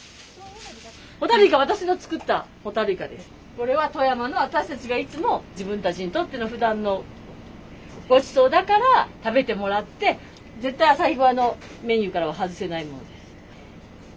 これは富山の私たちがいつも自分たちにとってのふだんのごちそうだから食べてもらって絶対朝日小屋のメニューからは外せないものです。